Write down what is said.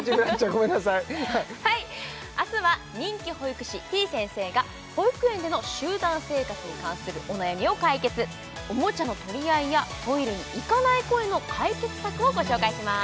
ごめんなさいはい明日は人気保育士てぃ先生が保育園での集団生活に関するお悩みを解決おもちゃの取り合いやトイレに行かない子への解決策をご紹介します